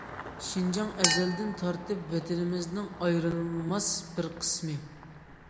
شىنجاڭ ئەزەلدىن تارتىپ ۋەتىنىمىزنىڭ ئايرىلماس بىر قىسمى.